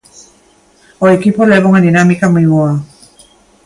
O equipo leva unha dinámica moi boa.